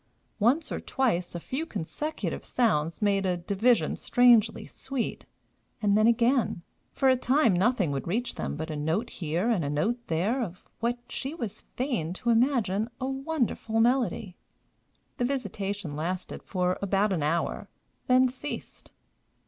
Once or twice a few consecutive sounds made a division strangely sweet; and then again, for a time, nothing would reach them but a note here and a note there of what she was fain to imagine a wonderful melody. The visitation lasted for about an hour, then ceased.